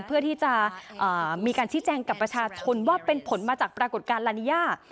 เพื่อที่จะมีการชี้แจงกับประชาชนว่าเป็นผลมาจากปรากฏการณ์ลานิยา